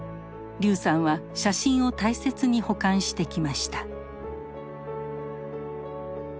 劉さんは写真を大切に保管してきました。